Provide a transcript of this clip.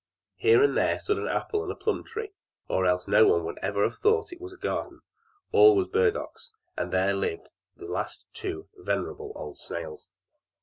Here and there stood an apple and a plum tree, or else one never would have thought that it was a garden; all was burdocks, and there lived the two last venerable old snails.